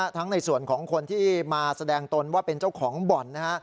ในส่วนของคนที่มาแสดงตนว่าเป็นเจ้าของบ่อนนะฮะ